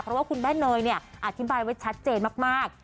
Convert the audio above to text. เพราะว่าคุณแม่เนยเนี่ยอธิบายไว้ชัดเจนมาก